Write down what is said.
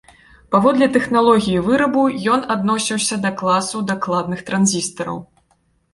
Паводле тэхналогіі вырабу ён адносіўся да класу дакладных транзістараў.